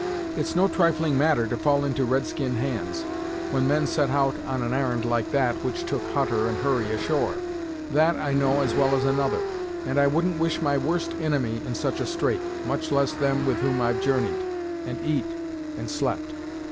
It's no trifling matter to fall into red skin hands, when men set out on an ar'n'd like that which took Hutter and Hurry ashore; that I know as well as another, and I wouldn't wish my worst inimy in such a strait, much less them with whom I've journeyed, and eat, and slept.